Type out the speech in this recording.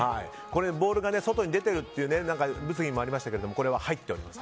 ボールが外に出ているという物議もありましたけどこれは入っております。